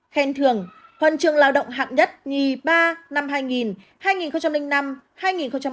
khen thường huần trường lao động hạng nhất nhì ba năm hai nghìn hai nghìn năm